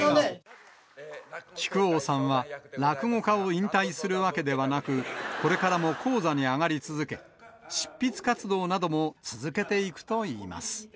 木久扇さんは落語家を引退するわけではなく、これからも高座に上がり続け、執筆活動なども続けていくといいます。